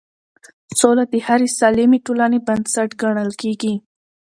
سوله د هرې سالمې ټولنې بنسټ ګڼل کېږي